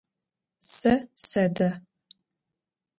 Сэ сэдэ.